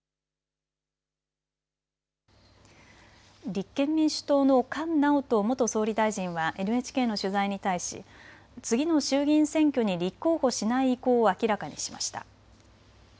立憲民主党の菅直人元総理大臣はＮＨＫの取材に対し次の衆議院選挙に立候補しない意向を明らかにしました。